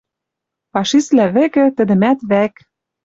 Фашиствлӓ вӹкӹ, тӹдӹмӓт вӓк